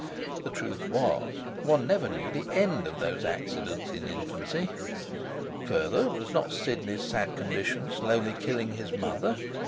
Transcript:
The truth was, one never knew the end of those accidents in infancy! Further, was not Sidney's sad condition slowly killing his mother?